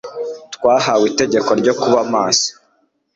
twahawe itegeko ryo kuba maso.